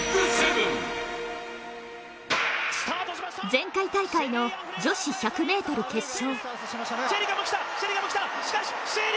前回大会の女子１００ｍ決勝。